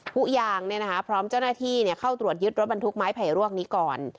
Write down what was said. ผู้ยางพร้อมเจ้าหน้าที่เข้าตรวจยึดรถบรรทุกไม้ไผ่รวกนี้ก่อน